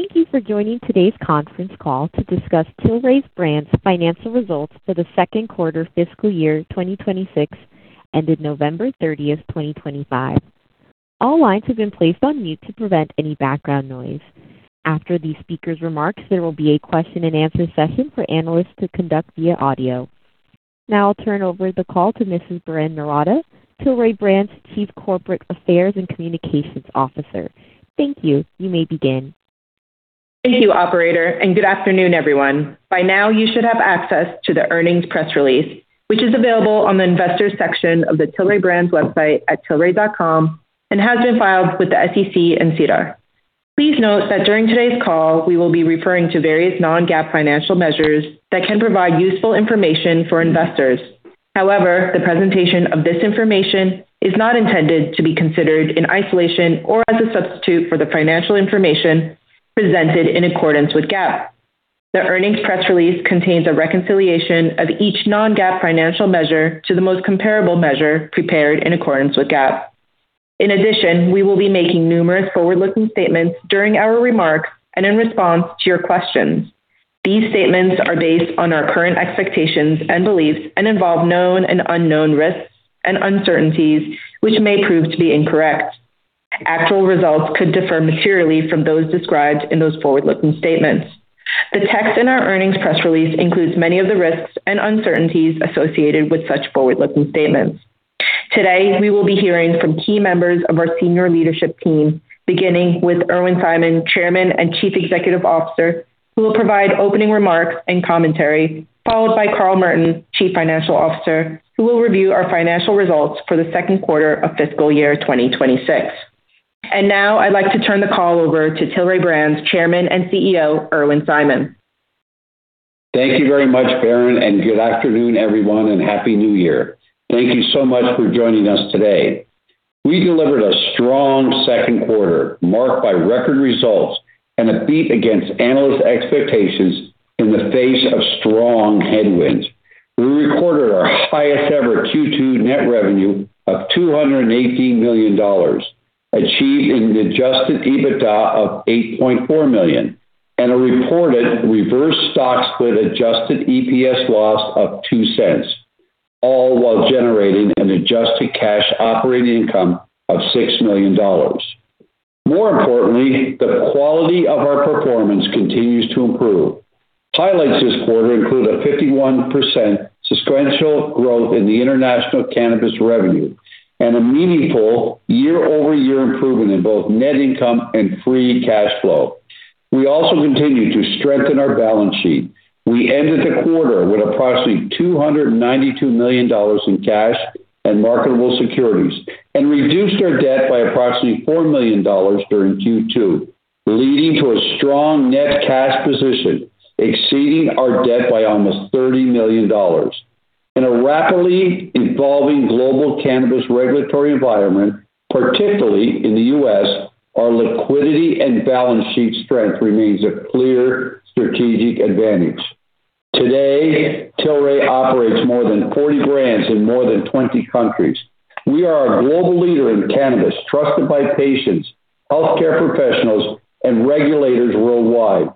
Thank you for joining today's conference call to discuss Tilray Brands' financial results for the second quarter fiscal year 2026, ended November 30, 2025. All lines have been placed on mute to prevent any background noise. After these speakers' remarks, there will be a question-and-answer session for analysts to conduct via audio. Now I'll turn over the call to Mrs. Berrin Noorata, Tilray Brands Chief Corporate Affairs and Communications Officer. Thank you. You may begin. Thank you, Operator, and good afternoon, everyone. By now, you should have access to the earnings press release, which is available on the investor section of the Tilray Brands website at tilray.com and has been filed with the SEC and SEDAR. Please note that during today's call, we will be referring to various non-GAAP financial measures that can provide useful information for investors. However, the presentation of this information is not intended to be considered in isolation or as a substitute for the financial information presented in accordance with GAAP. The earnings press release contains a reconciliation of each non-GAAP financial measure to the most comparable measure prepared in accordance with GAAP. In addition, we will be making numerous forward-looking statements during our remarks and in response to your questions. These statements are based on our current expectations and beliefs and involve known and unknown risks and uncertainties, which may prove to be incorrect. Actual results could differ materially from those described in those forward-looking statements. The text in our earnings press release includes many of the risks and uncertainties associated with such forward-looking statements. Today, we will be hearing from key members of our senior leadership team, beginning with Irwin Simon, Chairman and Chief Executive Officer, who will provide opening remarks and commentary, followed by Carl Merton, Chief Financial Officer, who will review our financial results for the second quarter of fiscal year 2026, and now I'd like to turn the call over to Tilray Brands, Chairman and CEO Irwin Simon. Thank you very much, Berrin, and good afternoon, everyone, and Happy New Year. Thank you so much for joining us today. We delivered a strong second quarter marked by record results and a beat against analyst expectations in the face of strong headwinds. We recorded our highest-ever Q2 net revenue of $218 million, achieved an adjusted EBITDA of $8.4 million, and a reported reverse stock split adjusted EPS loss of $0.02, all while generating an adjusted cash operating income of $6 million. More importantly, the quality of our performance continues to improve. Highlights this quarter include a 51% sequential growth in the international cannabis revenue and a meaningful year-over-year improvement in both net income and free cash flow. We also continue to strengthen our balance sheet. We ended the quarter with approximately $292 million in cash and marketable securities and reduced our debt by approximately $4 million during Q2, leading to a strong net cash position exceeding our debt by almost $30 million. In a rapidly evolving global cannabis regulatory environment, particularly in the U.S., our liquidity and balance sheet strength remains a clear strategic advantage. Today, Tilray operates more than 40 brands in more than 20 countries. We are a global leader in cannabis, trusted by patients, healthcare professionals, and regulators worldwide.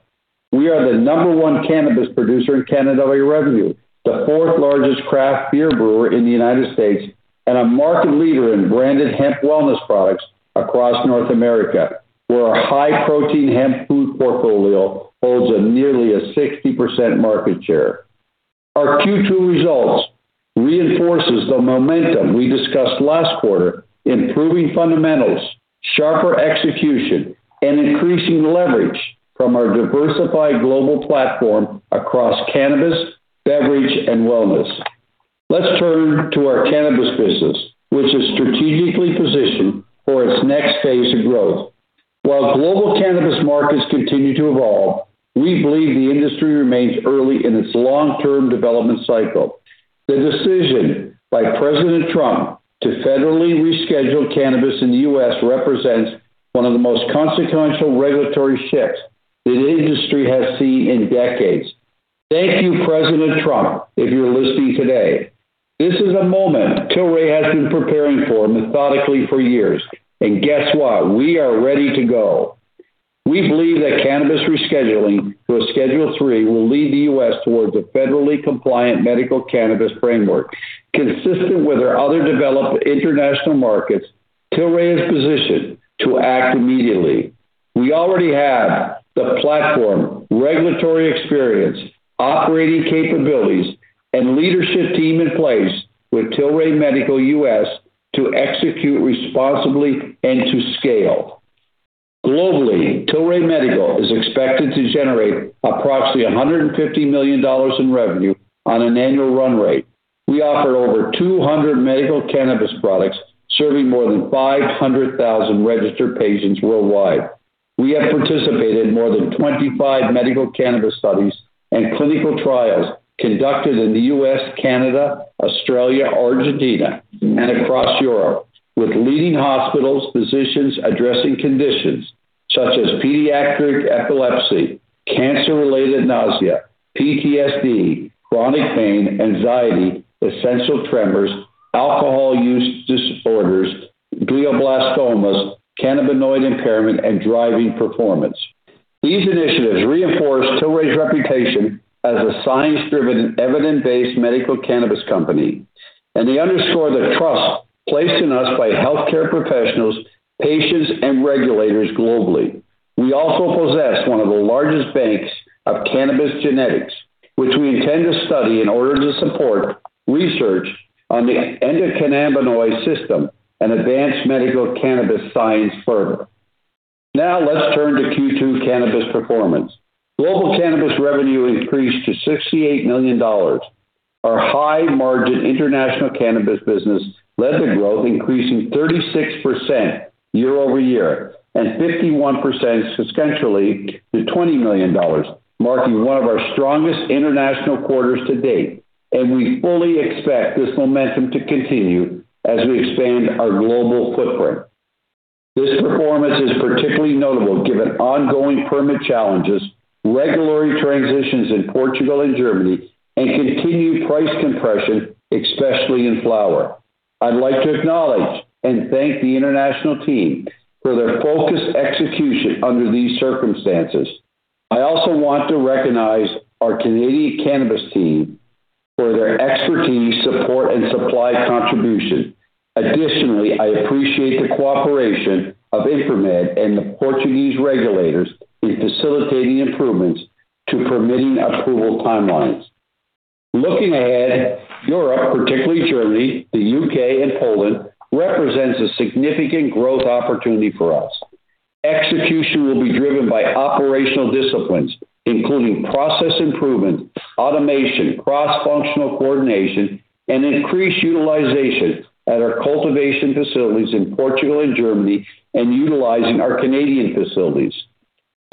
We are the number one cannabis producer in Canada by revenue, the fourth largest craft beer brewer in the United States, and a market leader in branded hemp wellness products across North America, where our high-protein hemp food portfolio holds nearly a 60% market share. Our Q2 results reinforce the momentum we discussed last quarter, improving fundamentals, sharper execution, and increasing leverage from our diversified global platform across cannabis, beverage, and wellness. Let's turn to our cannabis business, which is strategically positioned for its next phase of growth. While global cannabis markets continue to evolve, we believe the industry remains early in its long-term development cycle. The decision by President Trump to federally reschedule cannabis in the U.S. represents one of the most consequential regulatory shifts the industry has seen in decades. Thank you, President Trump, if you're listening today. This is a moment Tilray has been preparing for methodically for years, and guess what? We are ready to go. We believe that cannabis rescheduling to a Schedule III will lead the U.S. towards a federally compliant medical cannabis framework. Consistent with our other developed international markets, Tilray is positioned to act immediately. We already have the platform, regulatory experience, operating capabilities, and leadership team in place with Tilray Medical U.S. to execute responsibly and to scale. Globally, Tilray Medical is expected to generate approximately $150 million in revenue on an annual run rate. We offer over 200 medical cannabis products serving more than 500,000 registered patients worldwide. We have participated in more than 25 medical cannabis studies and clinical trials conducted in the U.S., Canada, Australia, Argentina, and across Europe, with leading hospitals, physicians addressing conditions such as pediatric epilepsy, cancer-related nausea, PTSD, chronic pain, anxiety, essential tremors, alcohol use disorders, glioblastomas, cannabinoid impairment, and driving performance. These initiatives reinforce Tilray's reputation as a science-driven and evidence-based medical cannabis company, and they underscore the trust placed in us by healthcare professionals, patients, and regulators globally. We also possess one of the largest banks of cannabis genetics, which we intend to study in order to support research on the endocannabinoid system and advance medical cannabis science further. Now let's turn to Q2 cannabis performance. Global cannabis revenue increased to $68 million. Our high-margin international cannabis business led the growth, increasing 36% year-over-year and 51% sequentially to $20 million, marking one of our strongest international quarters to date. We fully expect this momentum to continue as we expand our global footprint. This performance is particularly notable given ongoing permit challenges, regulatory transitions in Portugal and Germany, and continued price compression, especially in flower. I'd like to acknowledge and thank the international team for their focused execution under these circumstances. I also want to recognize our Canadian cannabis team for their expertise, support, and supply contribution. Additionally, I appreciate the cooperation of INFARMED and the Portuguese regulators in facilitating improvements to permitting approval timelines. Looking ahead, Europe, particularly Germany, the UK, and Poland represents a significant growth opportunity for us. Execution will be driven by operational disciplines, including process improvement, automation, cross-functional coordination, and increased utilization at our cultivation facilities in Portugal and Germany, and utilizing our Canadian facilities.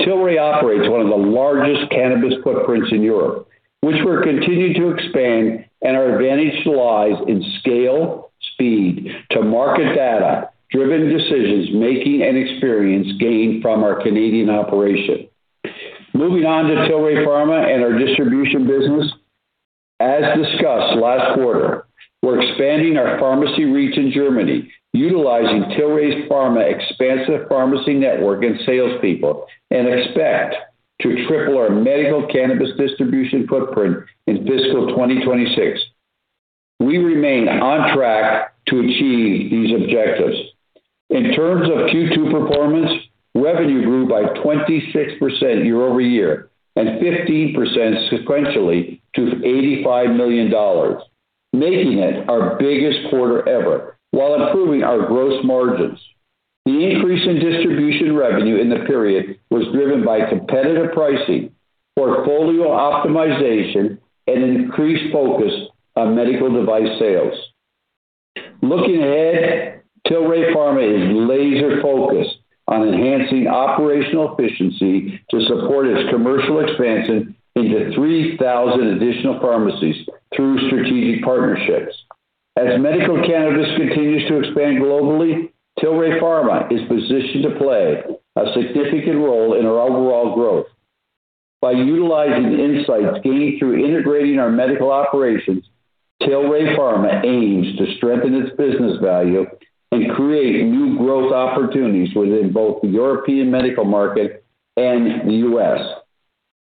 Tilray operates one of the largest cannabis footprints in Europe, which we're continuing to expand, and our advantage lies in scale, speed to market data, driven decision-making, and experience gained from our Canadian operation. Moving on to Tilray Pharma and our distribution business. As discussed last quarter, we're expanding our pharmacy reach in Germany, utilizing Tilray Pharma's expansive pharmacy network and salespeople, and expect to triple our medical cannabis distribution footprint in fiscal 2026. We remain on track to achieve these objectives. In terms of Q2 performance, revenue grew by 26% year-over-year and 15% sequentially to $85 million, making it our biggest quarter ever, while improving our gross margins. The increase in distribution revenue in the period was driven by competitive pricing, portfolio optimization, and increased focus on medical device sales. Looking ahead, Tilray Pharma is laser-focused on enhancing operational efficiency to support its commercial expansion into 3,000 additional pharmacies through strategic partnerships. As medical cannabis continues to expand globally, Tilray Pharma is positioned to play a significant role in our overall growth. By utilizing insights gained through integrating our medical operations, Tilray Pharma aims to strengthen its business value and create new growth opportunities within both the European medical market and the U.S.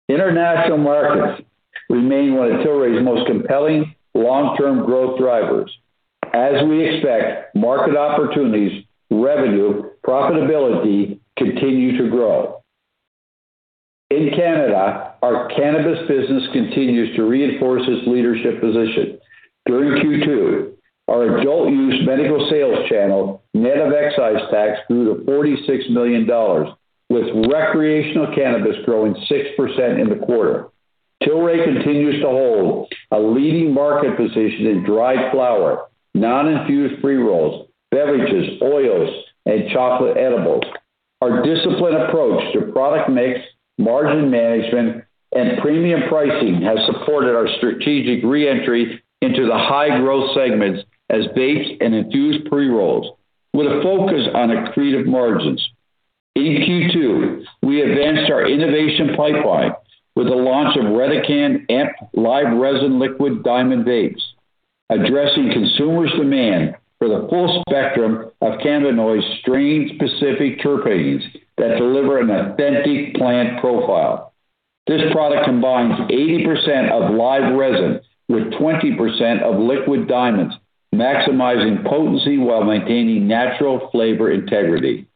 International markets remain one of Tilray's most compelling long-term growth drivers. As we expect, market opportunities, revenue, and profitability continue to grow. In Canada, our cannabis business continues to reinforce its leadership position. During Q2, our adult-use medical sales channel net of excise tax grew to $46 million, with recreational cannabis growing 6% in the quarter. Tilray continues to hold a leading market position in dried flower, non-infused pre-rolls, beverages, oils, and chocolate edibles. Our disciplined approach to product mix, margin management, and premium pricing has supported our strategic re-entry into the high-growth segments as vapes and infused pre-rolls, with a focus on accretive margins. In Q2, we advanced our innovation pipeline with the launch of Redecan Amped Live Resin Liquid Diamond Vapes, addressing consumers' demand for the full spectrum of cannabinoid strain-specific terpenes that deliver an authentic plant profile. This product combines 80% of live resin with 20% of liquid diamonds, maximizing potency while maintaining natural flavor integrity.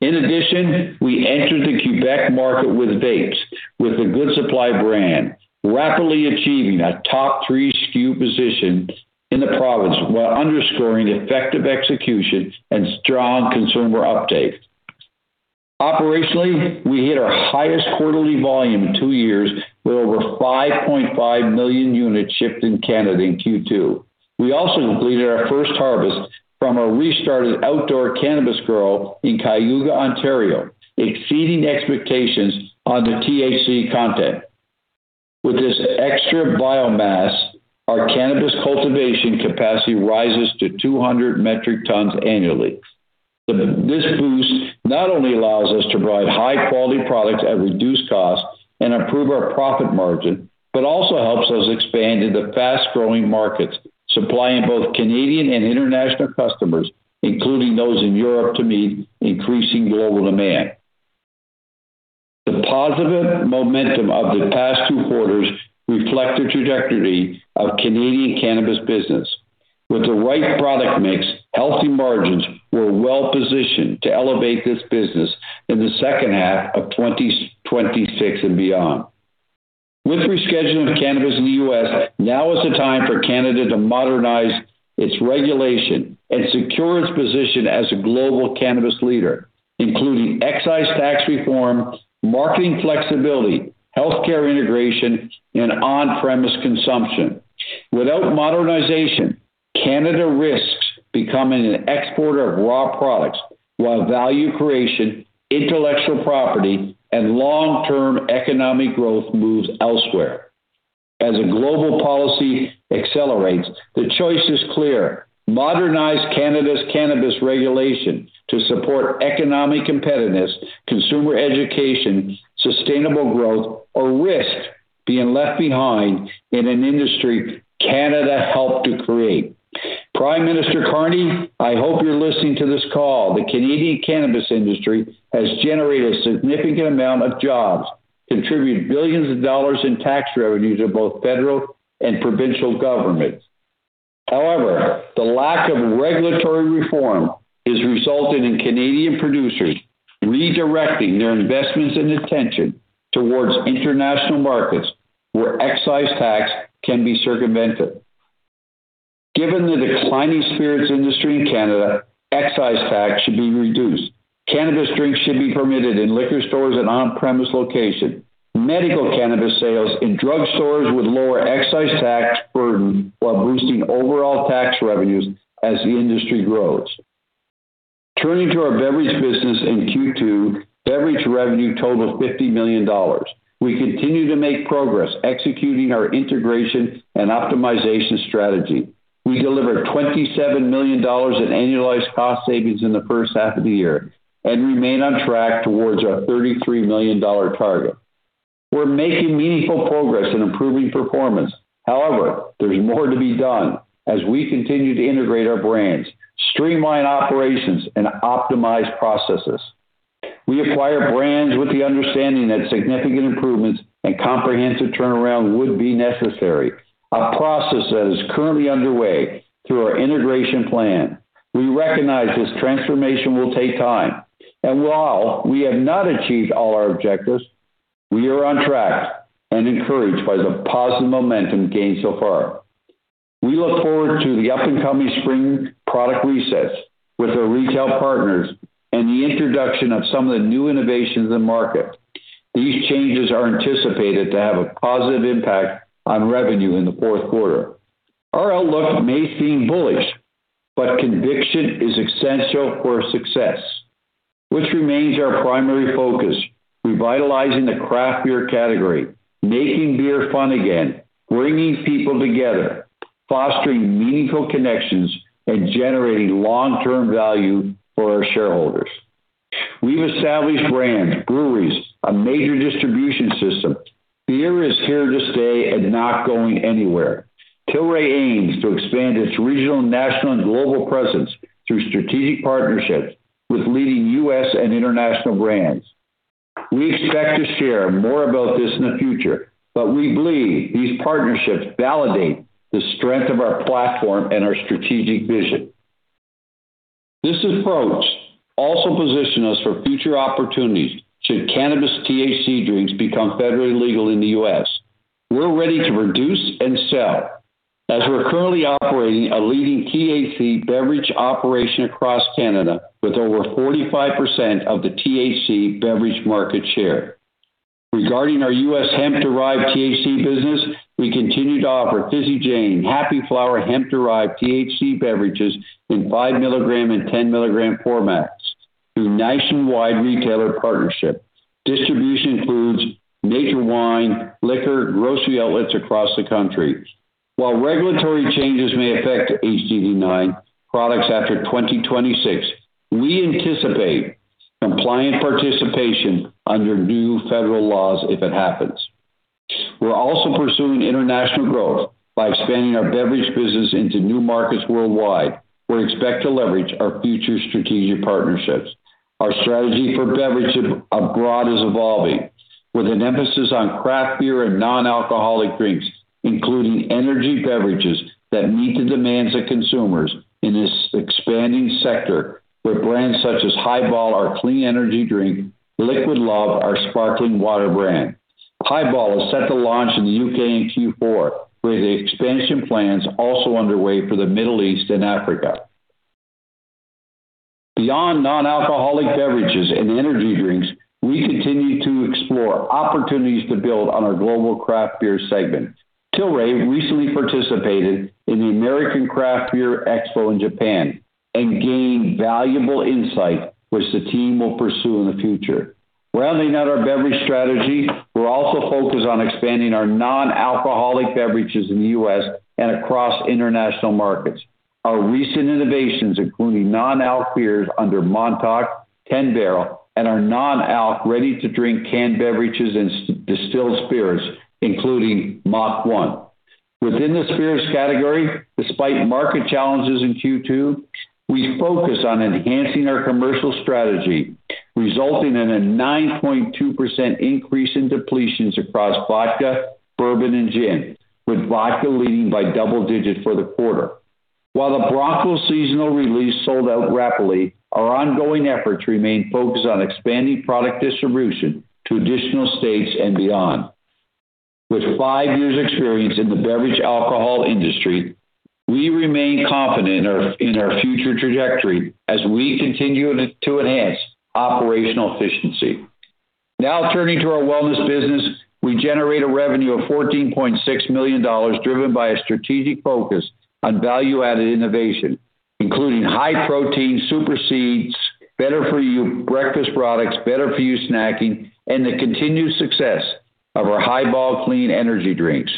In addition, we entered the Quebec market with vapes, with the Good Supply brand, rapidly achieving a top-three SKU position in the province while underscoring effective execution and strong consumer uptake. Operationally, we hit our highest quarterly volume in two years with over 5.5 million units shipped in Canada in Q2. We also completed our first harvest from our restarted outdoor cannabis grow in Cayuga, Ontario, exceeding expectations on the THC content. With this extra biomass, our cannabis cultivation capacity rises to 200 metric tons annually. This boost not only allows us to provide high-quality products at reduced costs and improve our profit margin, but also helps us expand into fast-growing markets, supplying both Canadian and international customers, including those in Europe, to meet increasing global demand. The positive momentum of the past two quarters reflects the trajectory of Canadian cannabis business. With the right product mix, healthy margins were well-positioned to elevate this business in the second half of 2026 and beyond. With rescheduling of cannabis in the U.S., now is the time for Canada to modernize its regulation and secure its position as a global cannabis leader, including excise tax reform, marketing flexibility, healthcare integration, and on-premise consumption. Without modernization, Canada risks becoming an exporter of raw products while value creation, intellectual property, and long-term economic growth move elsewhere. As global policy accelerates, the choice is clear: modernize Canada's cannabis regulation to support economic competitiveness, consumer education, sustainable growth, or risk being left behind in an industry Canada helped to create. Prime Minister, Carney, I hope you're listening to this call. The Canadian cannabis industry has generated a significant amount of jobs, contributing billions of dollars in tax revenues to both federal and provincial governments. However, the lack of regulatory reform is resulting in Canadian producers redirecting their investments and attention towards international markets where excise tax can be circumvented. Given the declining spirits industry in Canada, excise tax should be reduced. Cannabis drinks should be permitted in liquor stores and on-premise locations. Medical cannabis sales in drugstores would lower excise tax burden while boosting overall tax revenues as the industry grows. Turning to our beverage business in Q2, beverage revenue totaled $50 million. We continue to make progress executing our integration and optimization strategy. We delivered $27 million in annualized cost savings in the first half of the year and remain on track towards our $33 million target. We're making meaningful progress in improving performance. However, there's more to be done as we continue to integrate our brands, streamline operations, and optimize processes. We acquire brands with the understanding that significant improvements and comprehensive turnaround would be necessary, a process that is currently underway through our integration plan. We recognize this transformation will take time. And while we have not achieved all our objectives, we are on track and encouraged by the positive momentum gained so far. We look forward to the upcoming spring product resets with our retail partners and the introduction of some of the new innovations in the market. These changes are anticipated to have a positive impact on revenue in the fourth quarter. Our outlook may seem bullish, but conviction is essential for success, which remains our primary focus: revitalizing the craft beer category, making beer fun again, bringing people together, fostering meaningful connections, and generating long-term value for our shareholders. We've established brands, breweries, a major distribution system. Beer is here to stay and not going anywhere. Tilray aims to expand its regional, national, and global presence through strategic partnerships with leading U.S. and international brands. We expect to share more about this in the future, but we believe these partnerships validate the strength of our platform and our strategic vision. This approach also positions us for future opportunities should cannabis THC drinks become federally legal in the U.S. We're ready to produce and sell as we're currently operating a leading THC beverage operation across Canada with over 45% of the THC beverage market share. Regarding our U.S. hemp-derived THC business, we continue to offer Fizzy Jane Happy Flower hemp-derived THC beverages in five mg and 10 mg formats through nationwide retailer partnerships. Distribution includes Total Wine, liquor, and grocery outlets across the country. While regulatory changes may affect HD9 products after 2026, we anticipate compliant participation under new federal laws if it happens. We're also pursuing international growth by expanding our beverage business into new markets worldwide, where we expect to leverage our future strategic partnerships. Our strategy for beverage abroad is evolving, with an emphasis on craft beer and non-alcoholic drinks, including energy beverages that meet the demands of consumers in this expanding sector, where brands such as Hiball are a clean energy drink, Liquid Love are a sparkling water brand. Hiball is set to launch in the U.K. in Q4, with expansion plans also underway for the Middle East and Africa. Beyond non-alcoholic beverages and energy drinks, we continue to explore opportunities to build on our global craft beer segment. Tilray recently participated in the American Craft Beer Expo in Japan and gained valuable insight, which the team will pursue in the future. Rounding out our beverage strategy, we're also focused on expanding our non-alcoholic beverages in the U.S. And across international markets. Our recent innovations, including non-alc beers under Montauk, 10 Barrel, and our non-alc ready-to-drink canned beverages and distilled spirits, including cocktails. Within the spirits category, despite market challenges in Q2, we focus on enhancing our commercial strategy, resulting in a 9.2% increase in depletions across vodka, bourbon, and gin, with vodka leading by double digits for the quarter. While the Bronco seasonal release sold out rapidly, our ongoing efforts remain focused on expanding product distribution to additional states and beyond. With five years' experience in the beverage alcohol industry, we remain confident in our future trajectory as we continue to enhance operational efficiency. Now, turning to our wellness business, we generate a revenue of $14.6 million driven by a strategic focus on value-added innovation, including high-protein super seeds, better-for-you breakfast products, better-for-you snacking, and the continued success of our Hiball clean energy drinks.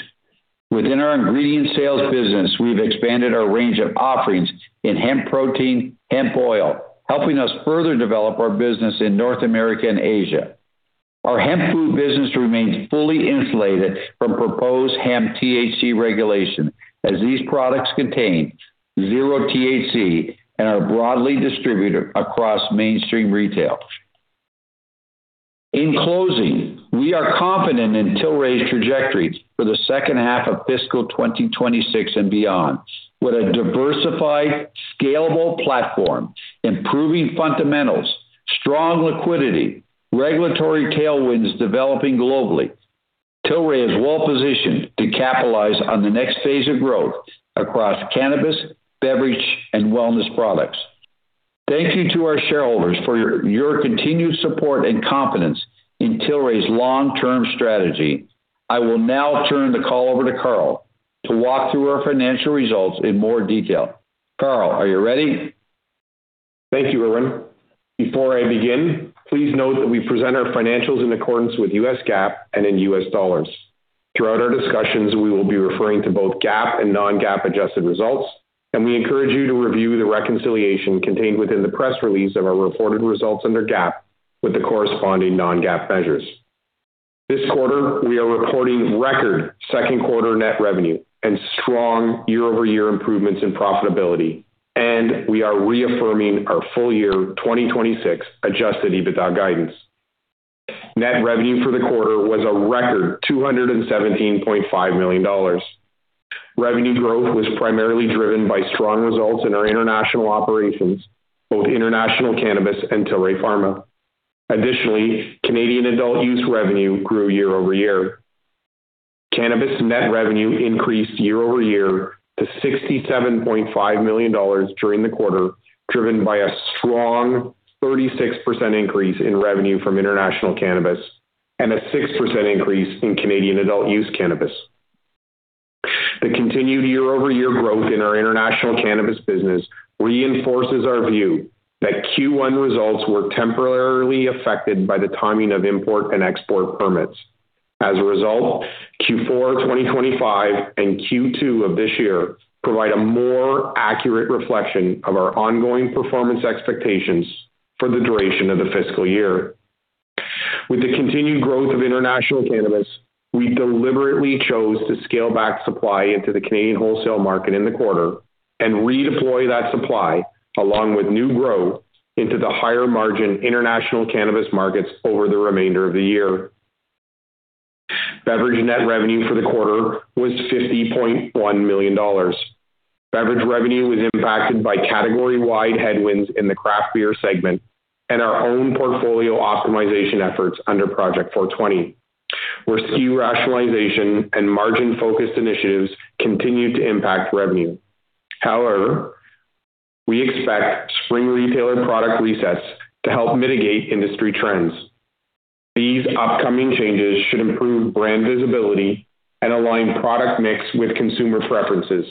Within our ingredient sales business, we've expanded our range of offerings in hemp protein, hemp oil, helping us further develop our business in North America and Asia. Our hemp food business remains fully insulated from proposed hemp THC regulation, as these products contain zero THC and are broadly distributed across mainstream retail. In closing, we are confident in Tilray's trajectory for the second half of fiscal 2026 and beyond, with a diversified, scalable platform, improving fundamentals, strong liquidity, and regulatory tailwinds developing globally. Tilray is well-positioned to capitalize on the next phase of growth across cannabis, beverage, and wellness products. Thank you to our shareholders for your continued support and confidence in Tilray's long-term strategy. I will now turn the call over to Carl to walk through our financial results in more detail. Carl, are you ready? Thank you, Irwin. Before I begin, please note that we present our financials in accordance with U.S. GAAP and in U.S. dollars. Throughout our discussions, we will be referring to both GAAP and non-GAAP adjusted results, and we encourage you to review the reconciliation contained within the press release of our reported results under GAAP with the corresponding non-GAAP measures. This quarter, we are reporting record second-quarter net revenue and strong year-over-year improvements in profitability, and we are reaffirming our full-year 2026 adjusted EBITDA guidance. Net revenue for the quarter was a record $217.5 million. Revenue growth was primarily driven by strong results in our international operations, both international cannabis and Tilray Pharma. Additionally, Canadian adult use revenue grew year-over-year. Cannabis net revenue increased year-over-year to $67.5 million during the quarter, driven by a strong 36% increase in revenue from international cannabis and a 6% increase in Canadian adult use cannabis. The continued year-over-year growth in our international cannabis business reinforces our view that Q1 results were temporarily affected by the timing of import and export permits. As a result, Q4 2025 and Q2 of this year provide a more accurate reflection of our ongoing performance expectations for the duration of the fiscal year. With the continued growth of international cannabis, we deliberately chose to scale back supply into the Canadian wholesale market in the quarter and redeploy that supply along with new growth into the higher-margin international cannabis markets over the remainder of the year. Beverage net revenue for the quarter was $50.1 million. Beverage revenue was impacted by category-wide headwinds in the craft beer segment and our own portfolio optimization efforts under Project 420, where SKU rationalization and margin-focused initiatives continue to impact revenue. However, we expect spring retailer product resets to help mitigate industry trends. These upcoming changes should improve brand visibility and align product mix with consumer preferences,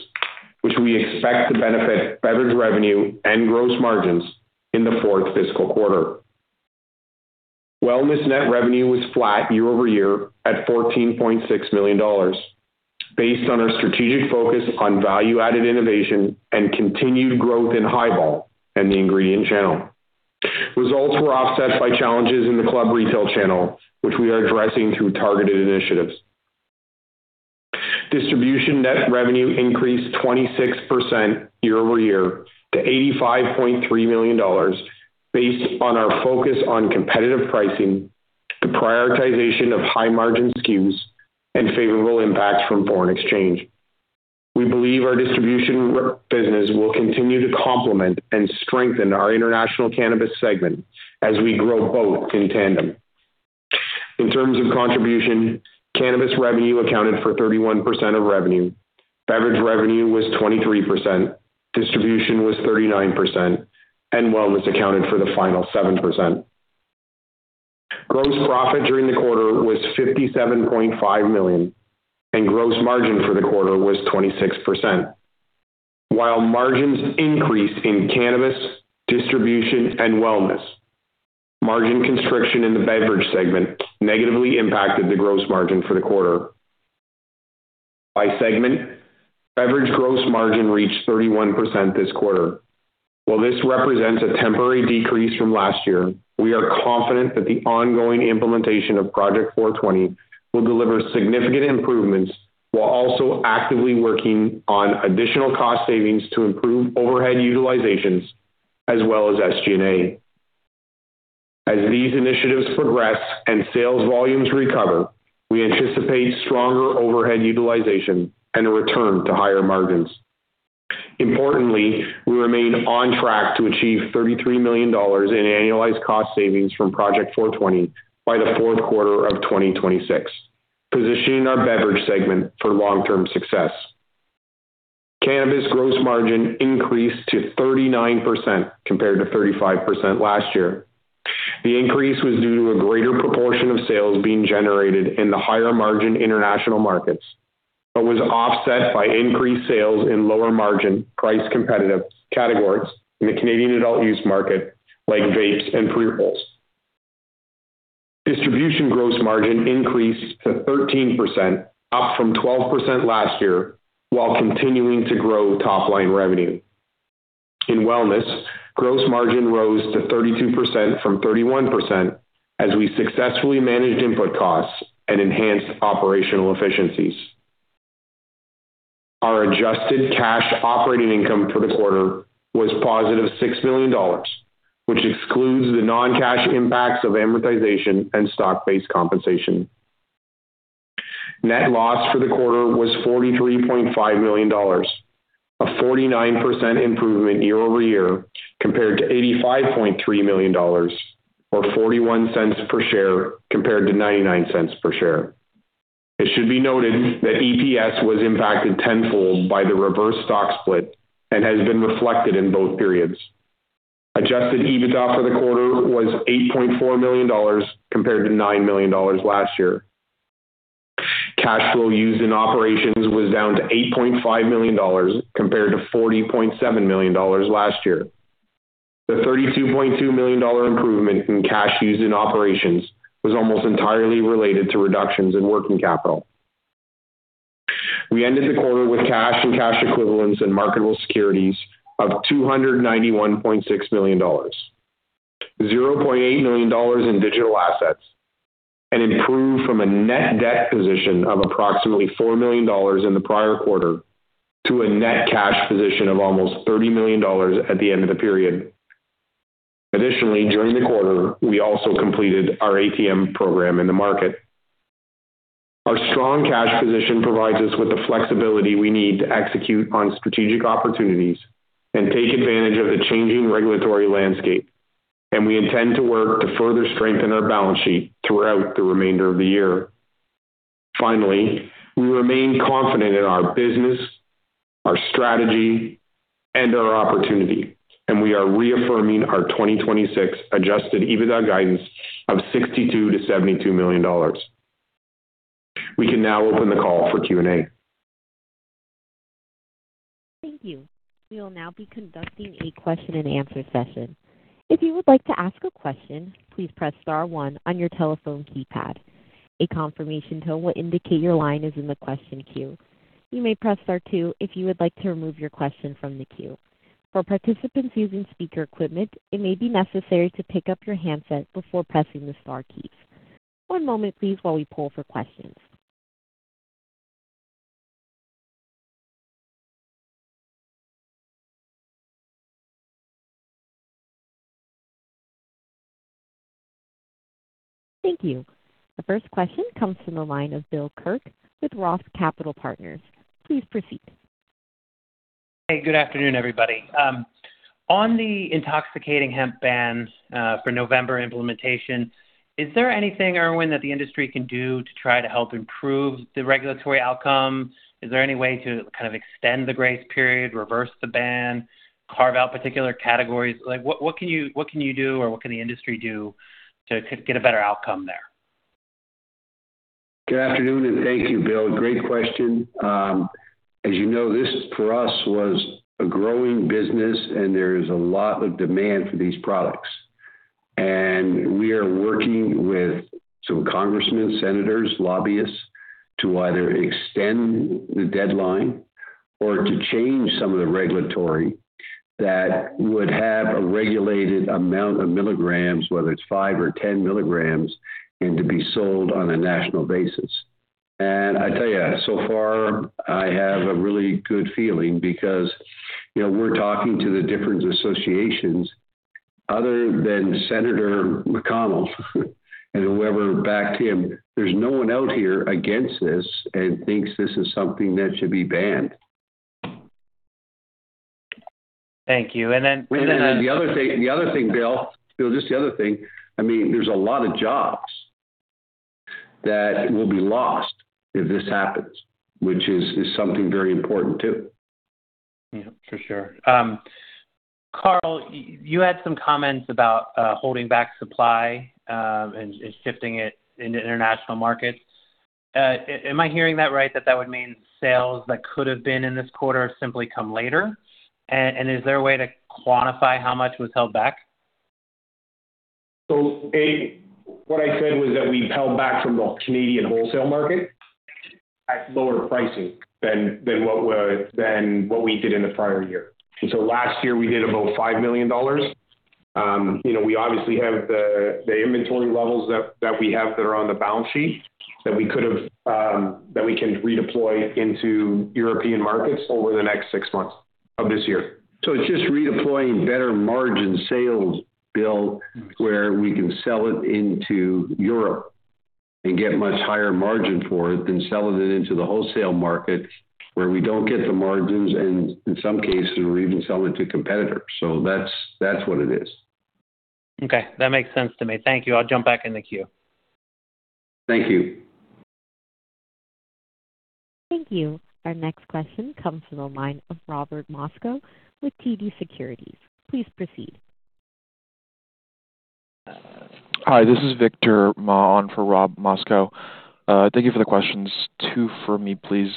which we expect to benefit beverage revenue and gross margins in the fourth fiscal quarter. Wellness net revenue was flat year-over-year at $14.6 million, based on our strategic focus on value-added innovation and continued growth in Hiball and the Ingredient Channel. Results were offset by challenges in the club retail channel, which we are addressing through targeted initiatives. Distribution net revenue increased 26% year-over-year to $85.3 million, based on our focus on competitive pricing, the prioritization of high-margin SKUs, and favorable impacts from foreign exchange. We believe our distribution business will continue to complement and strengthen our international cannabis segment as we grow both in tandem. In terms of contribution, Cannabis revenue accounted for 31% of revenue. Beverage revenue was 23%. Distribution was 39%, and Wellness accounted for the final 7%. Gross profit during the quarter was $57.5 million, and gross margin for the quarter was 26%. While margins increased in cannabis, distribution, and wellness, margin constriction in the beverage segment negatively impacted the gross margin for the quarter. By segment, beverage gross margin reached 31% this quarter. While this represents a temporary decrease from last year, we are confident that the ongoing implementation of Project 420 will deliver significant improvements while also actively working on additional cost savings to improve overhead utilizations, as well as SG&A. As these initiatives progress and sales volumes recover, we anticipate stronger overhead utilization and a return to higher margins. Importantly, we remain on track to achieve $33 million in annualized cost savings from Project 420 by the fourth quarter of 2026, positioning our beverage segment for long-term success. Cannabis gross margin increased to 39% compared to 35% last year. The increase was due to a greater proportion of sales being generated in the higher-margin international markets, but was offset by increased sales in lower-margin price competitive categories in the Canadian adult use market, like vapes and pre-rolls. Distribution gross margin increased to 13%, up from 12% last year, while continuing to grow top-line revenue. In wellness, gross margin rose to 32% from 31% as we successfully managed input costs and enhanced operational efficiencies. Our adjusted cash operating income for the quarter was positive $6 million, which excludes the non-cash impacts of amortization and stock-based compensation. Net loss for the quarter was $43.5 million, a 49% improvement year-over-year compared to $85.3 million, or $0.41 per share compared to $0.99 per share. It should be noted that EPS was impacted tenfold by the reverse stock split and has been reflected in both periods. Adjusted EBITDA for the quarter was $8.4 million compared to $9 million last year. Cash flow used in operations was down to $8.5 million compared to $40.7 million last year. The $32.2 million improvement in cash used in operations was almost entirely related to reductions in working capital. We ended the quarter with cash and cash equivalents and marketable securities of $291.6 million, $0.8 million in digital assets, and improved from a net debt position of approximately $4 million in the prior quarter to a net cash position of almost $30 million at the end of the period. Additionally, during the quarter, we also completed our ATM program in the market. Our strong cash position provides us with the flexibility we need to execute on strategic opportunities and take advantage of the changing regulatory landscape, and we intend to work to further strengthen our balance sheet throughout the remainder of the year. Finally, we remain confident in our business, our strategy, and our opportunity, and we are reaffirming our 2026 Adjusted EBITDA guidance of $62 million-$72 million. We can now open the call for Q&A. Thank you. We will now be conducting a question-and-answer session. If you would like to ask a question, please press star one on your telephone keypad. A confirmation tone will indicate your line is in the question queue. You may press star two if you would like to remove your question from the queue. For participants using speaker equipment, it may be necessary to pick up your handset before pressing the star keys. One moment, please, while we poll for questions. Thank you. The first question comes from the line of Bill Kirk with Roth Capital Partners. Please proceed. Hey, good afternoon, everybody. On the intoxicating hemp ban for November implementation, is there anything, Irwin, that the industry can do to try to help improve the regulatory outcome? Is there any way to kind of extend the grace period, reverse the ban, carve out particular categories? What can you do, or what can the industry do to get a better outcome there? Good afternoon, and thank you, Bill. Great question. As you know, this for us was a growing business, and there is a lot of demand for these products. We are working with some congressmen, senators, lobbyists to either extend the deadline or to change some of the regulations that would have a regulated amount of milligrams, whether it's five or 10 mg, and to be sold on a national basis. I tell you, so far, I have a really good feeling because we're talking to the different associations. Other than Senator McConnell and whoever backed him, there's no one out here against this and thinks this is something that should be banned. Thank you. Then the other thing, Bill, just the other thing, I mean, there's a lot of jobs that will be lost if this happens, which is something very important too. Yeah, for sure. Carl, you had some comments about holding back supply and shifting it into international markets. Am I hearing that right, that that would mean sales that could have been in this quarter have simply come later? And is there a way to quantify how much was held back? So what I said was that we've held back from the Canadian wholesale market at lower pricing than what we did in the prior year. And so last year, we did about $5 million. We obviously have the inventory levels that we have that are on the balance sheet that we could have that we can redeploy into European markets over the next six months of this year. So it's just redeploying better margin sales, Bill, where we can sell it into Europe and get much higher margin for it than selling it into the wholesale market where we don't get the margins and, in some cases, we're even selling it to competitors. So that's what it is. Okay. That makes sense to me. Thank you. I'll jump back in the queue. Thank you. Thank you. Our next question comes from the line of Robert Moskow with TD Securities. Please proceed. Hi, this is Victor Ma for Rob Moskow. Thank you for the questions. Two for me, please.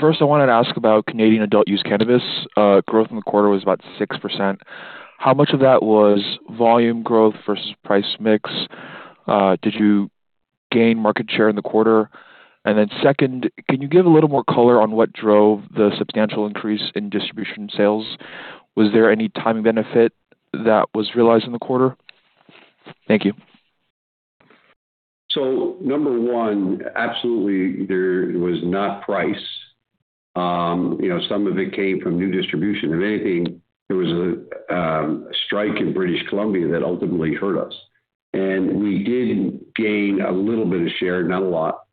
First, I wanted to ask about Canadian adult use cannabis. Growth in the quarter was about 6%. How much of that was volume growth versus price mix? Did you gain market share in the quarter? And then second, can you give a little more color on what drove the substantial increase in distribution sales? Was there any timing benefit that was realized in the quarter? Thank you. So number one, absolutely, there was not price. Some of it came from new distribution. If anything, there was a strike in British Columbia that ultimately hurt us. And we did gain a little bit of share, not a lot,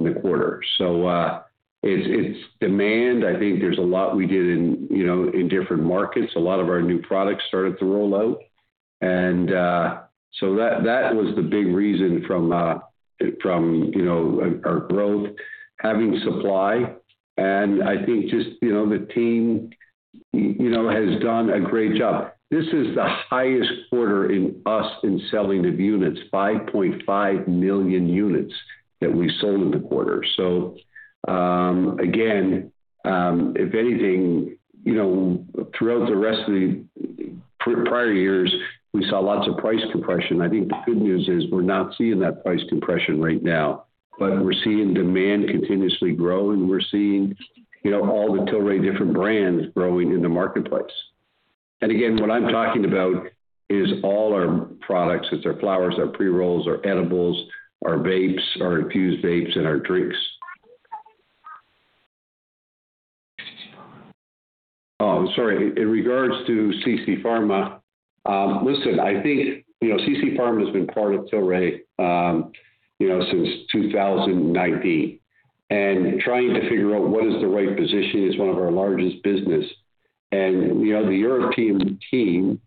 in the quarter. So it's demand. I think there's a lot we did in different markets. A lot of our new products started to roll out. And so that was the big reason for our growth, having supply. And I think just the team has done a great job. This is the highest quarter for us in selling of units, 5.5 million units that we sold in the quarter. So again, if anything, throughout the rest of the prior years, we saw lots of price compression. I think the good news is we're not seeing that price compression right now, but we're seeing demand continuously grow, and we're seeing all the Tilray different brands growing in the marketplace. Again, what I'm talking about is all our products, our flowers, our pre-rolls, our edibles, our vapes, our infused vapes, and our drinks. Oh, sorry. In regards to CC Pharma, listen. I think CC Pharma has been part of Tilray since 2019, and trying to figure out what the right position is one of our largest businesses. The European team,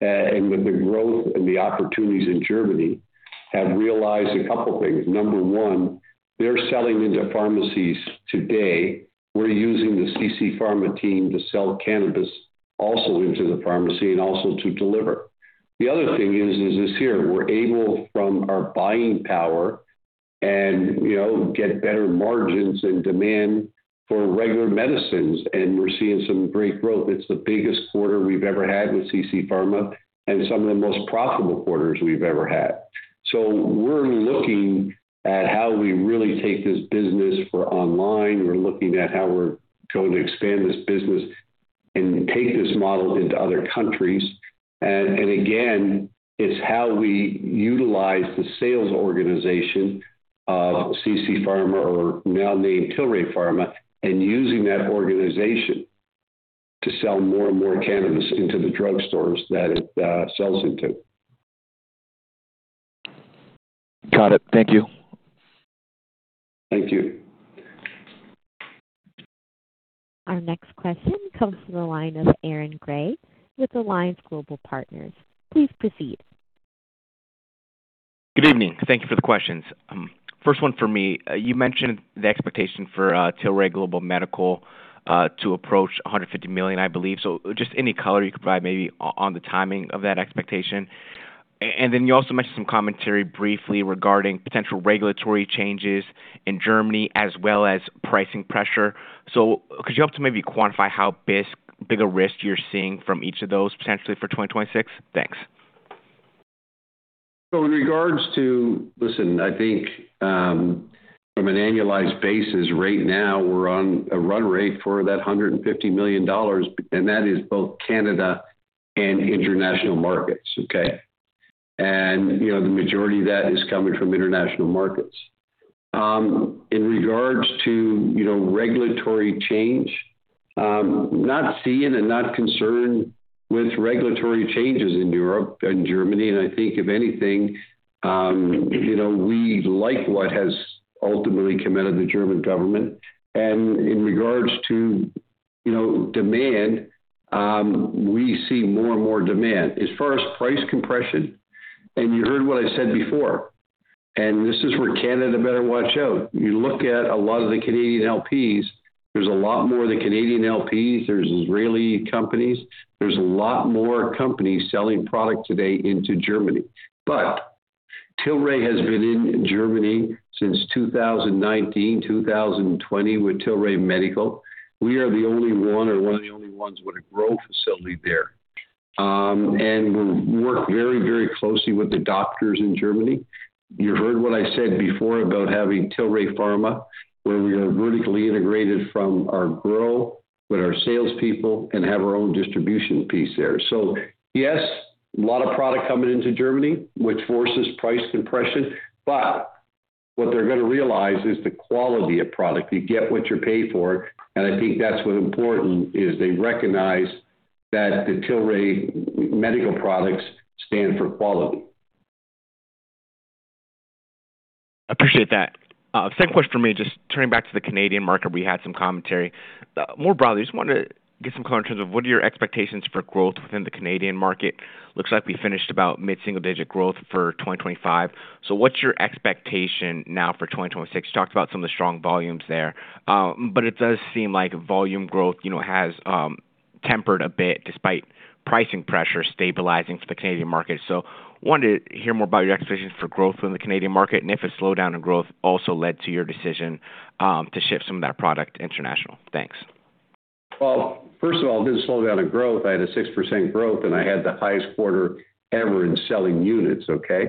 with the growth and the opportunities in Germany, have realized a couple of things. Number one, they're selling into pharmacies today. We're using the CC Pharma team to sell cannabis also into the pharmacy and also to deliver. The other thing is this year, we're able, from our buying power, to get better margins and demand for regular medicines, and we're seeing some great growth. It's the biggest quarter we've ever had with CC Pharma and some of the most profitable quarters we've ever had. We're looking at how we really take this business for online. We're looking at how we're going to expand this business and take this model into other countries. And again, it's how we utilize the sales organization of CC Pharma, or now named Tilray Pharma, and using that organization to sell more and more cannabis into the drugstores that it sells into. Got it. Thank you. Thank you. Our next question comes from the line of Aaron Grey with Alliance Global Partners. Please proceed. Good evening. Thank you for the questions. First one for me. You mentioned the expectation for Tilray Medical to approach 150 million, I believe. So just any color you could provide maybe on the timing of that expectation. And then you also mentioned some commentary briefly regarding potential regulatory changes in Germany as well as pricing pressure. So could you help to maybe quantify how big a risk you're seeing from each of those potentially for 2026? Thanks. So in regards to, listen, I think from an annualized basis, right now, we're on a run rate for that $150 million, and that is both Canada and international markets, okay? And the majority of that is coming from international markets. In regards to regulatory change, not seeing and not concerned with regulatory changes in Europe and Germany. And I think, if anything, we like what has ultimately come out of the German government. And in regards to demand, we see more and more demand. As far as price compression, and you heard what I said before, and this is where Canada better watch out. You look at a lot of the Canadian LPs, there's a lot more of the Canadian LPs. There's Israeli companies. There's a lot more companies selling product today into Germany. But Tilray has been in Germany since 2019, 2020 with Tilray Medical. We are the only one or one of the only ones with a grow facility there. And we work very, very closely with the doctors in Germany. You heard what I said before about having Tilray Pharma, where we are vertically integrated from our grow with our salespeople and have our own distribution piece there. So yes, a lot of product coming into Germany, which forces price compression. But what they're going to realize is the quality of product. You get what you pay for. And I think that's what's important is they recognize that the Tilray Medical products stand for quality. I appreciate that. Second question for me, just turning back to the Canadian market, we had some commentary. More broadly, just wanted to get some color in terms of what are your expectations for growth within the Canadian market? Looks like we finished about mid-single-digit growth for 2025. So what's your expectation now for 2026? You talked about some of the strong volumes there, but it does seem like volume growth has tempered a bit despite pricing pressure stabilizing for the Canadian market. So wanted to hear more about your expectations for growth in the Canadian market and if a slowdown in growth also led to your decision to shift some of that product international. Thanks. Well, first of all, this slowdown in growth, I had a 6% growth, and I had the highest quarter ever in selling units, okay?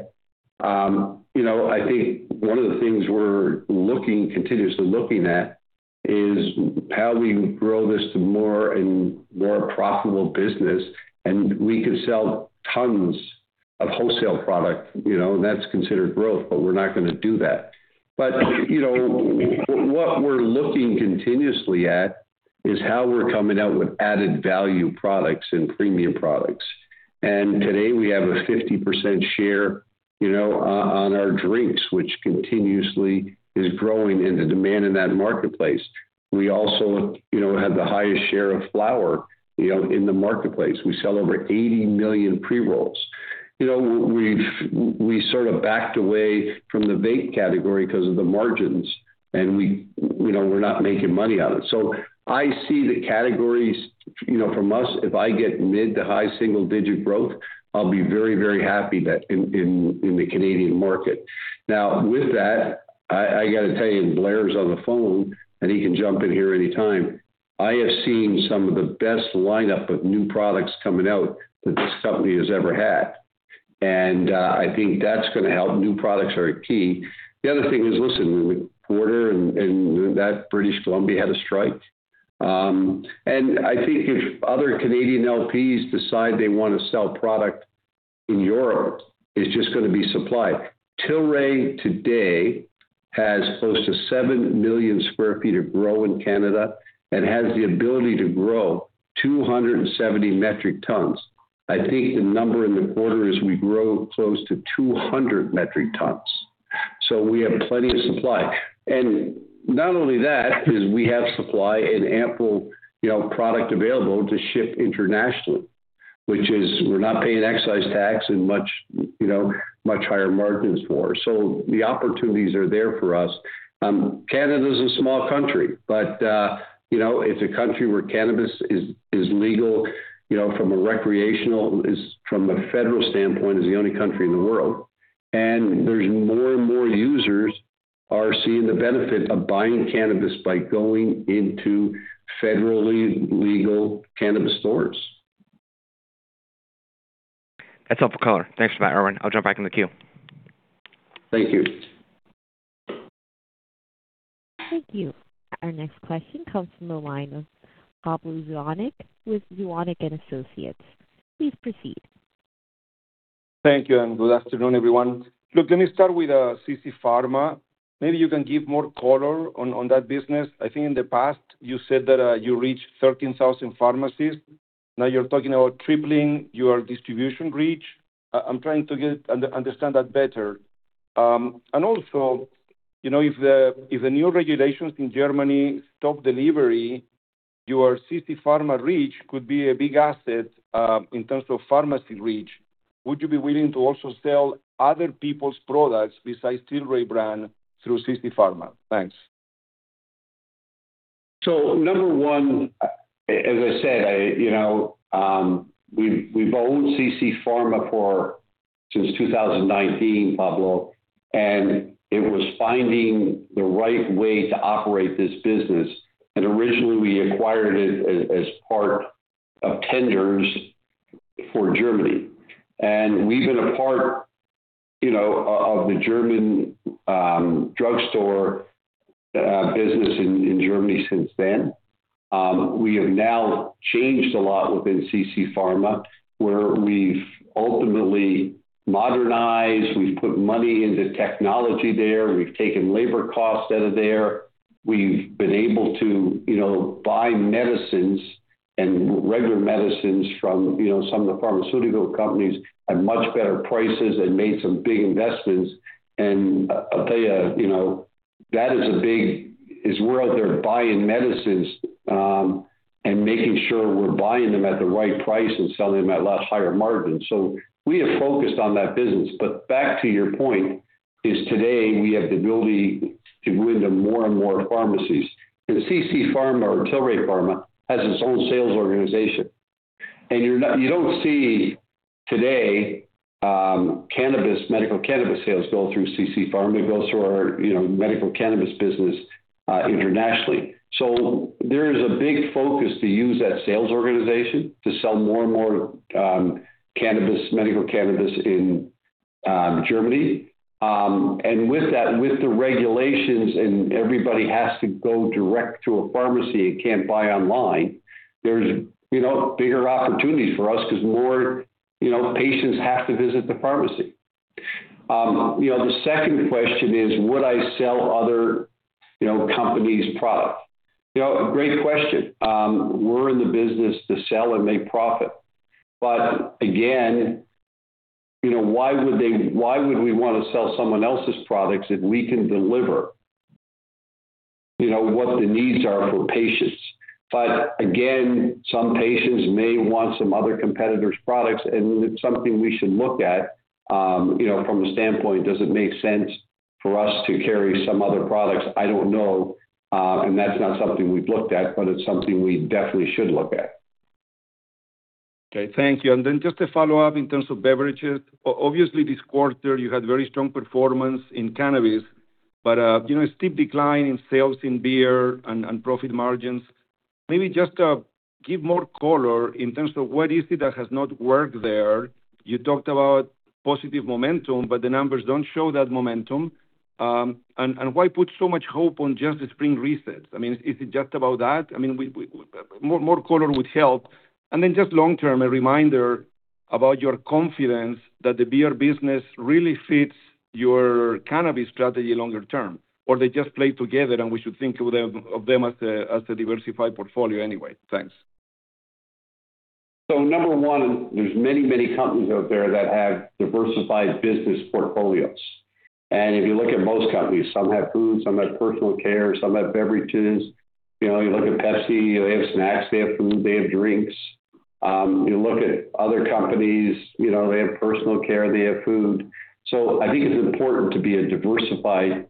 I think one of the things we're looking, continuously looking at is how we grow this to more and more profitable business, and we could sell tons of wholesale product. That's considered growth, but we're not going to do that. But what we're looking continuously at is how we're coming out with added value products and premium products. And today, we have a 50% share on our drinks, which continuously is growing in the demand in that marketplace. We also have the highest share of flower in the marketplace. We sell over 80 million pre-rolls. We sort of backed away from the vape category because of the margins, and we're not making money on it. So I see the categories from us. If I get mid- to high single-digit growth, I'll be very, very happy in the Canadian market. Now, with that, I got to tell you, Blair's on the phone, and he can jump in here anytime. I have seen some of the best lineup of new products coming out that this company has ever had, and I think that's going to help. New products are key. The other thing is, listen, in the quarter, and that British Columbia had a strike. And I think if other Canadian LPs decide they want to sell product in Europe, it's just going to be supply. Tilray today has close to 7 million sq ft of grow in Canada and has the ability to grow 270 metric tons. I think the number in the quarter is we grow close to 200 metric tons. So we have plenty of supply. And not only that, we have supply and ample product available to ship internationally, which is we're not paying excise tax and much higher margins for. So the opportunities are there for us. Canada is a small country, but it's a country where cannabis is legal from a recreational, from a federal standpoint, is the only country in the world. And there's more and more users are seeing the benefit of buying cannabis by going into federally legal cannabis stores. That's helpful color. Thanks for that, Irwin. I'll jump back in the queue. Thank you. Thank you. Our next question comes from the line of Pablo Zuanic with Zuanic & Associates. Please proceed. Thank you. And good afternoon, everyone. Look, let me start with CC Pharma. Maybe you can give more color on that business. I think in the past, you said that you reached 13,000 pharmacies. Now you're talking about tripling your distribution reach. I'm trying to understand that better. And also, if the new regulations in Germany stop delivery, your CC Pharma reach could be a big asset in terms of pharmacy reach. Would you be willing to also sell other people's products besides Tilray brand through CC Pharma? Thanks. So number one, as I said, we've owned CC Pharma since 2019, Pablo, and it was finding the right way to operate this business. And originally, we acquired it as part of tenders for Germany. And we've been a part of the German drugstore business in Germany since then. We have now changed a lot within CC Pharma, where we've ultimately modernized. We've put money into technology there. We've taken labor costs out of there. We've been able to buy medicines and regular medicines from some of the pharmaceutical companies at much better prices and made some big investments, and I'll tell you, that is a big world. They're buying medicines and making sure we're buying them at the right price and selling them at a lot higher margins, so we have focused on that business, but back to your point, is today we have the ability to go into more and more pharmacies, and CC Pharma or Tilray Pharma has its own sales organization, and you don't see today medical cannabis sales go through CC Pharma. It goes through our medical cannabis business internationally, so there is a big focus to use that sales organization to sell more and more medical cannabis in Germany. With the regulations and everybody has to go direct to a pharmacy and can't buy online, there's bigger opportunities for us because more patients have to visit the pharmacy. The second question is, would I sell other companies' products? Great question. We're in the business to sell and make profit. But again, why would we want to sell someone else's products if we can deliver what the needs are for patients? But again, some patients may want some other competitors' products, and it's something we should look at from the standpoint, does it make sense for us to carry some other products? I don't know. And that's not something we've looked at, but it's something we definitely should look at. Okay. Thank you. And then just to follow up in terms of beverages, obviously this quarter, you had very strong performance in cannabis, but a steep decline in sales in beer and profit margins. Maybe just give more color in terms of what is it that has not worked there. You talked about positive momentum, but the numbers don't show that momentum. And why put so much hope on just the spring resets? I mean, is it just about that? I mean, more color would help. And then just long-term, a reminder about your confidence that the beer business really fits your cannabis strategy longer term, or they just play together and we should think of them as a diversified portfolio anyway. Thanks. So number one, there's many, many companies out there that have diversified business portfolios. If you look at most companies, some have food, some have personal care, some have beverages. You look at Pepsi, they have snacks, they have food, they have drinks. You look at other companies, they have personal care, they have food. So I think it's important to be a diversified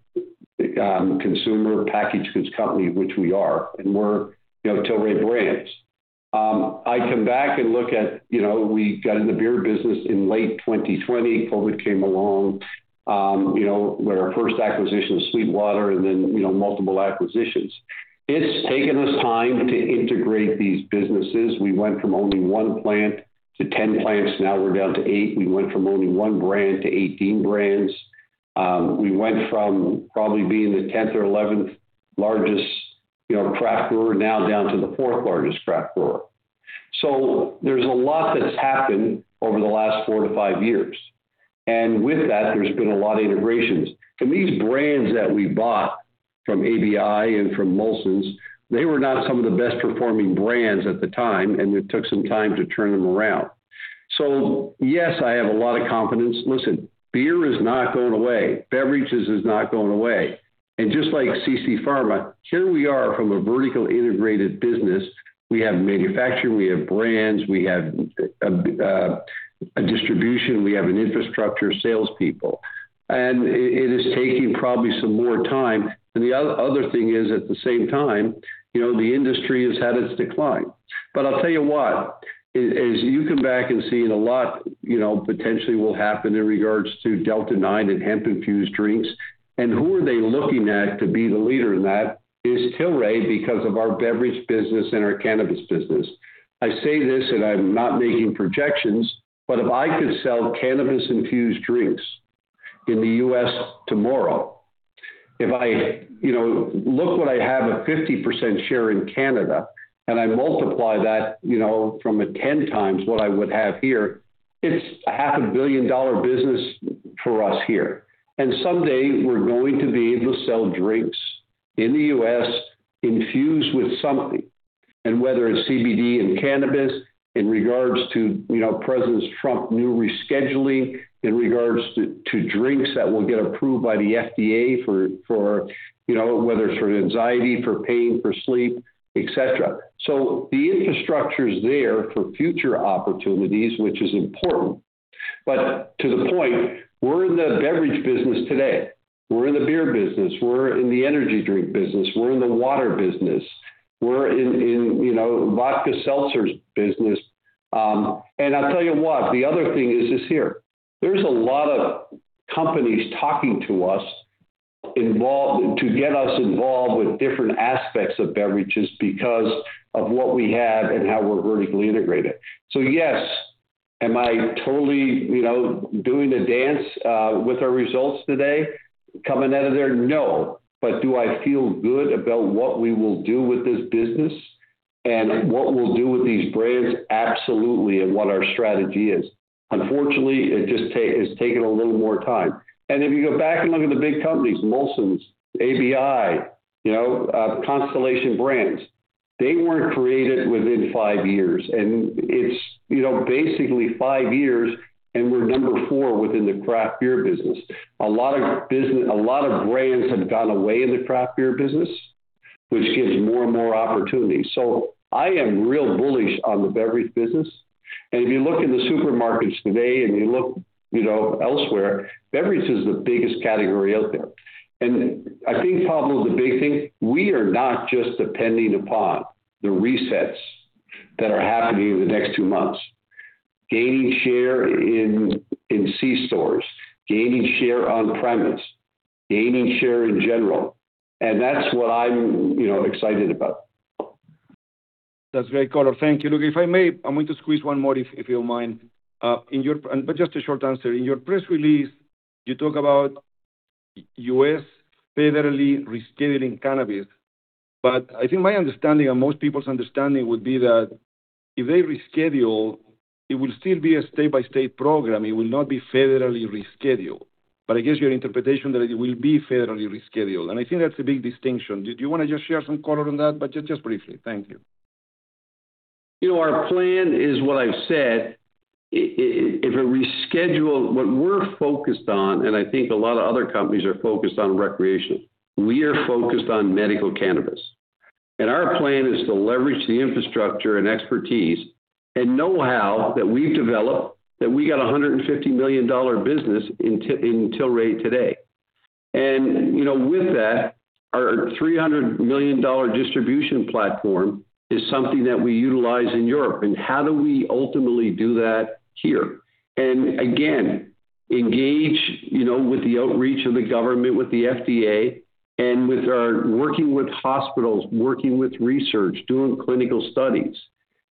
consumer packaged goods company, which we are, and we're Tilray Brands. I come back and look at we got in the beer business in late 2020. COVID came along, where our first acquisition was SweetWater, and then multiple acquisitions. It's taken us time to integrate these businesses. We went from only one plant to 10 plants. Now we're down to eight. We went from only one brand to 18 brands. We went from probably being the 10th or 11th largest craft brewer, now down to the fourth largest craft brewer. So there's a lot that's happened over the last four to five years. And with that, there's been a lot of integrations. And these brands that we bought from ABI and from Molson's, they were not some of the best-performing brands at the time, and it took some time to turn them around. So yes, I have a lot of confidence. Listen, beer is not going away. Beverages is not going away. And just like CC Pharma, here we are from a vertically integrated business. We have manufacturing, we have brands, we have a distribution, we have an infrastructure salespeople. And it is taking probably some more time. And the other thing is, at the same time, the industry has had its decline. But I'll tell you what, as you come back and see a lot potentially will happen in regards to Delta-9 and hemp-infused drinks, and who are they looking at to be the leader in that is Tilray because of our beverage business and our cannabis business. I say this, and I'm not making projections, but if I could sell cannabis-infused drinks in the U.S. tomorrow, if I look what I have a 50% share in Canada, and I multiply that from a 10 times what I would have here, it's a $500 million business for us here. And someday, we're going to be able to sell drinks in the U.S. infused with something. And whether it's CBD and cannabis in regards to President Trump new rescheduling in regards to drinks that will get approved by the FDA for whether it's for anxiety, for pain, for sleep, etc. So the infrastructure is there for future opportunities, which is important. But to the point, we're in the beverage business today. We're in the beer business. We're in the energy drink business. We're in the water business. We're in the vodka seltzer business. And I'll tell you what, the other thing is here. There's a lot of companies talking to us to get us involved with different aspects of beverages because of what we have and how we're vertically integrated. So yes, am I totally doing a dance with our results today coming out of there? No. But do I feel good about what we will do with this business and what we'll do with these brands? Absolutely. And what our strategy is. Unfortunately, it just is taking a little more time. And if you go back and look at the big companies, Molson's, ABI, Constellation Brands, they weren't created within five years. And it's basically five years, and we're number four within the craft beer business. A lot of brands have gone away in the craft beer business, which gives more and more opportunities. So I am real bullish on the beverage business. And if you look in the supermarkets today and you look elsewhere, beverage is the biggest category out there. And I think, Pablo, the big thing, we are not just depending upon the resets that are happening in the next two months, gaining share in c-stores, gaining share on-premise, gaining share in general. And that's what I'm excited about. That's great color. Thank you. Look, if I may, I'm going to squeeze one more if you don't mind. But just a short answer. In your press release, you talk about U.S. federally rescheduling cannabis. But I think my understanding and most people's understanding would be that if they reschedule, it will still be a state-by-state program. It will not be federally rescheduled. But I guess your interpretation that it will be federally rescheduled. And I think that's a big distinction. Do you want to just share some color on that? But just briefly. Thank you. Our plan is what I've said. If it rescheduled, what we're focused on, and I think a lot of other companies are focused on recreational, we are focused on medical cannabis. And our plan is to leverage the infrastructure and expertise and know-how that we've developed that we got a $150 million business in Tilray today. And with that, our $300 million distribution platform is something that we utilize in Europe. And how do we ultimately do that here? And again, engage with the outreach of the government, with the FDA, and with our working with hospitals, working with research, doing clinical studies.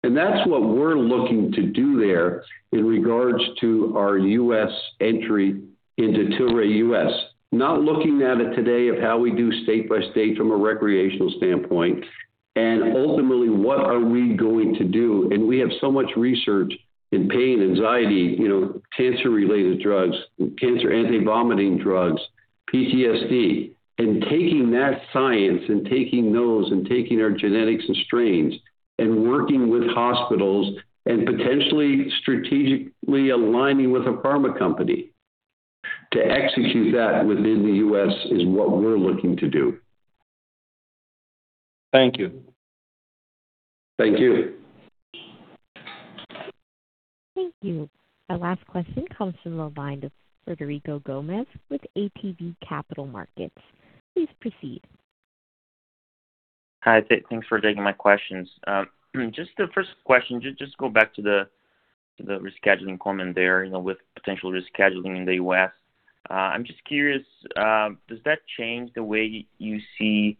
And that's what we're looking to do there in regards to our U.S. entry into Tilray U.S. Not looking at it today of how we do state-by-state from a recreational standpoint. And ultimately, what are we going to do? And we have so much research in pain, anxiety, cancer-related drugs, cancer anti-vomiting drugs, PTSD. And taking that science and taking those and taking our genetics and strains and working with hospitals and potentially strategically aligning with a pharma company to execute that within the U.S. is what we're looking to do. Thank you. Thank you. Thank you. Our last question comes from Frederico Gomes with ATB Capital Markets. Please proceed. Hi, thanks for taking my questions. Just the first question. Just go back to the rescheduling comment there with potential rescheduling in the U.S. I'm just curious, does that change the way you see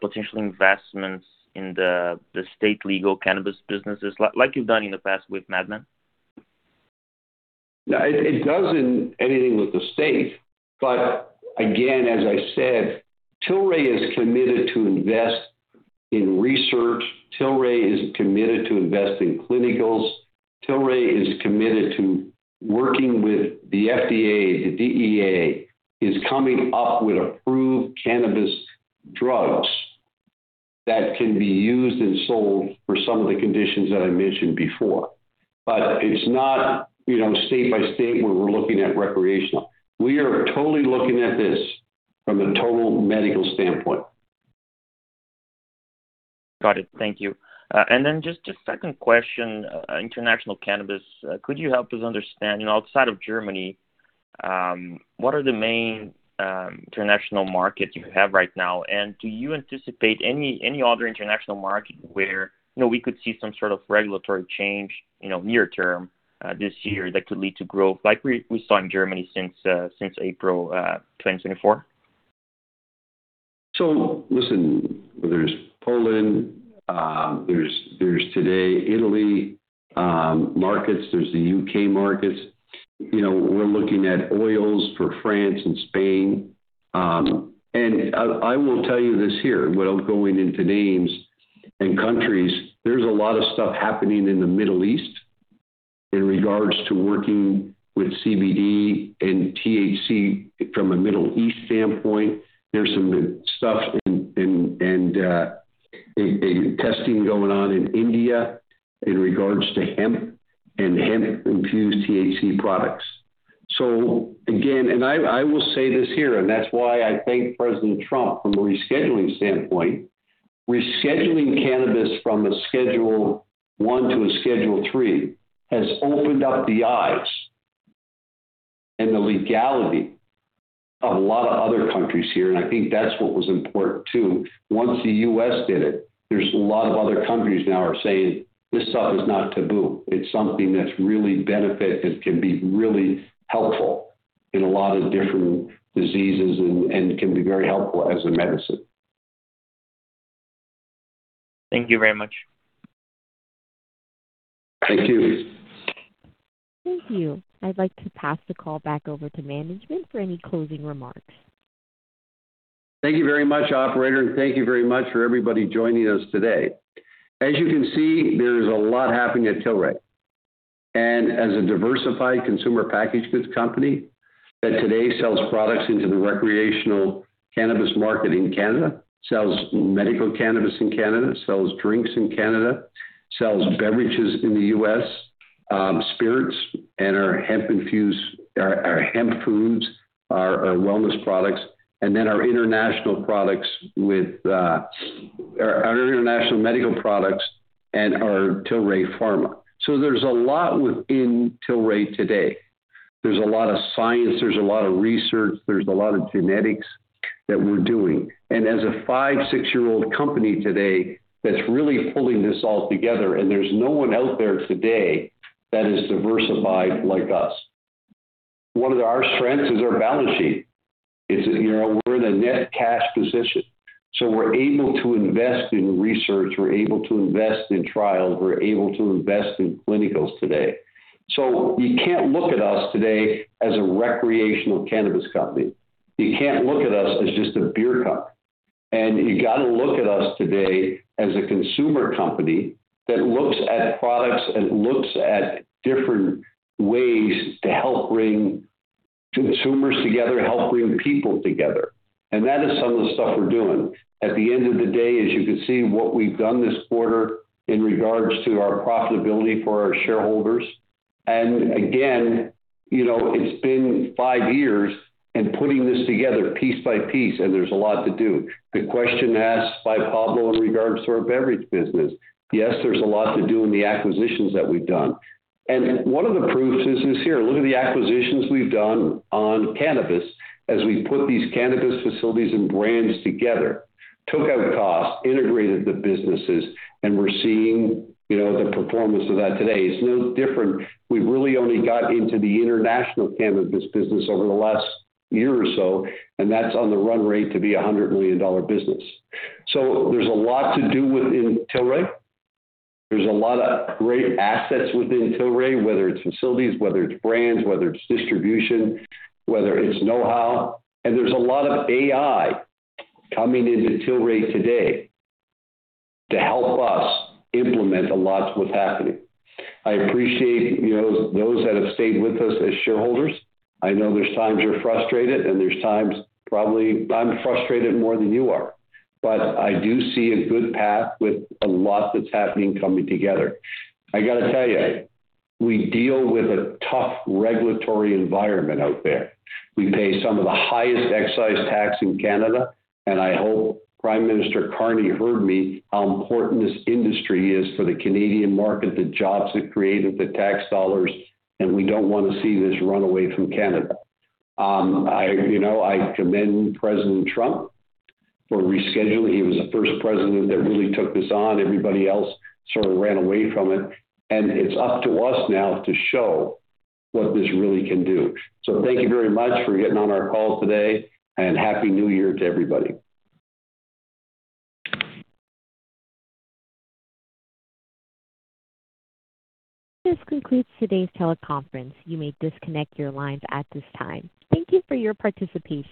potential investments in the state-legal cannabis businesses like you've done in the past with MedMen? It doesn't change anything with the state. But again, as I said, Tilray is committed to invest in research. Tilray is committed to invest in clinicals. Tilray is committed to working with the FDA and the DEA to come up with approved cannabis drugs that can be used and sold for some of the conditions that I mentioned before. But it's not state-by-state where we're looking at recreational. We are totally looking at this from a total medical standpoint. Got it. Thank you. And then just a second question, international cannabis. Could you help us understand, outside of Germany, what are the main international markets you have right now? And do you anticipate any other international market where we could see some sort of regulatory change near term this year that could lead to growth like we saw in Germany since April 2024? So listen, there's Poland, there's the Italy markets, there's the U.K. markets. We're looking at oils for France and Spain. And I will tell you this here, without going into names and countries, there's a lot of stuff happening in the Middle East in regards to working with CBD and THC from a Middle East standpoint. There's some stuff and testing going on in India in regards to hemp and hemp-infused THC products. So again, and I will say this here, and that's why I thank President Trump from a rescheduling standpoint. Rescheduling cannabis from Schedule I to Schedule III has opened up the eyes and the legality of a lot of other countries here. And I think that's what was important too. Once the U.S. did it, there's a lot of other countries now are saying this stuff is not taboo. It's something that's really beneficial and can be really helpful in a lot of different diseases and can be very helpful as a medicine. Thank you very much. Thank you. Thank you. I'd like to pass the call back over to management for any closing remarks. Thank you very much, operator. And thank you very much for everybody joining us today. As you can see, there is a lot happening at Tilray. And as a diversified consumer packaged goods company that today sells products into the recreational cannabis market in Canada, sells medical cannabis in Canada, sells drinks in Canada, sells beverages in the U.S., spirits, and our hemp-infused or hemp foods, our wellness products, and then our international products with our international medical products and our Tilray Pharma. So there's a lot within Tilray today. There's a lot of science. There's a lot of research. There's a lot of genetics that we're doing. And as a five, six-year-old company today, that's really pulling this all together. And there's no one out there today that is diversified like us. One of our strengths is our balance sheet. We're in a net cash position. So we're able to invest in research. We're able to invest in trials. We're able to invest in clinicals today. So you can't look at us today as a recreational cannabis company. You can't look at us as just a beer company. And you got to look at us today as a consumer company that looks at products and looks at different ways to help bring consumers together, help bring people together. And that is some of the stuff we're doing. At the end of the day, as you can see what we've done this quarter in regards to our profitability for our shareholders. And again, it's been five years and putting this together piece by piece, and there's a lot to do. The question asked by Pablo in regards to our beverage business. Yes, there's a lot to do in the acquisitions that we've done. And one of the proofs is here. Look at the acquisitions we've done on cannabis as we put these cannabis facilities and brands together, took out costs, integrated the businesses, and we're seeing the performance of that today. It's no different. We've really only got into the international cannabis business over the last year or so, and that's on the runway to be a $100 million business. So there's a lot to do within Tilray. There's a lot of great assets within Tilray, whether it's facilities, whether it's brands, whether it's distribution, whether it's know-how. And there's a lot of AI coming into Tilray today to help us implement a lot of what's happening. I appreciate those that have stayed with us as shareholders. I know there's times you're frustrated, and there's times probably I'm frustrated more than you are. But I do see a good path with a lot that's happening coming together. I got to tell you, we deal with a tough regulatory environment out there. We pay some of the highest excise tax in Canada. And I hope Prime Minister Carney heard me how important this industry is for the Canadian market, the jobs it created, the tax dollars, and we don't want to see this run away from Canada. I commend President Trump for rescheduling. He was the first president that really took this on. Everybody else sort of ran away from it. And it's up to us now to show what this really can do. So thank you very much for getting on our call today. And happy New Year to everybody. This concludes today's teleconference. You may disconnect your lines at this time. Thank you for your participation.